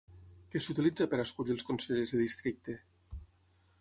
Què s'utilitza per escollir els consellers de districte?